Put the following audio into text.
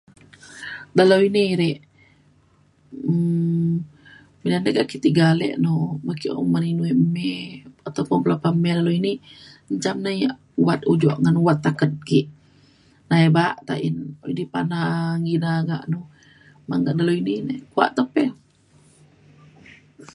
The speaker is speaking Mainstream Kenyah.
Dalau ini rek um lan ke tiga ale no bo ke kuman inu ya mei ataupun telapau mei ini mejam ne wat ujok ngan wat taket ke nai ba'a tain? Ti pana ngina [unintelligible] mengen dalau ini ne kuak te pe.